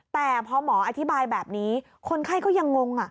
แต่พอหมออธิบายแบบนี้คนไข้ก็ยังงง